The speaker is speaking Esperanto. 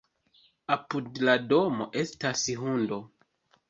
Apud la domo estas hundo.